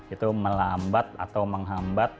itu melambat atau menghambat